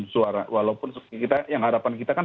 suara walaupun kita yang harapan kita kan